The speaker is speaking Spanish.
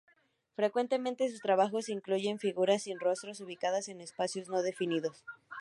Frecuentemente sus trabajos incluyen figuras sin rostros ubicadas en espacios no definidos.